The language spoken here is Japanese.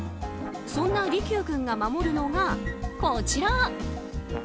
そんな利休君が守るのが、こちら。